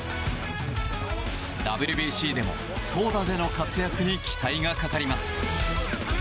ＷＢＣでも投打での活躍に期待がかかります。